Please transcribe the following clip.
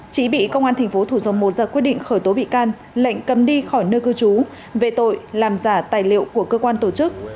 trí bị công an tp thủ dầu một ra quyết định khởi tố bị can lệnh cấm đi khỏi nơi cư trú về tội làm giả tài liệu của cơ quan tổ chức